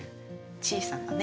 小さなね。